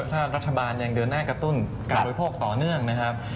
ถ้ารัฐบาลยังเดินหน้ากระตุ้นการบริโภคต่อเนื่องนะครับ